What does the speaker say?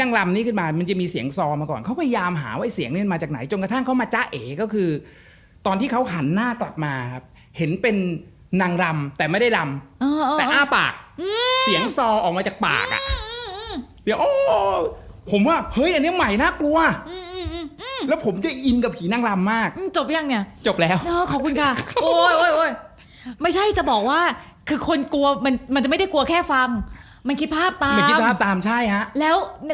กลุ่มวัยรุ่นตอนกลางคืนเขาไม่มีเฟซบุ๊กเล่นเหมือนเรา